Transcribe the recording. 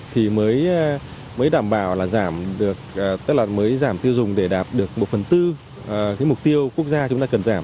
thì mới đảm bảo là giảm được tức là mới giảm tiêu dùng để đạt được một phần tư mục tiêu quốc gia chúng ta cần giảm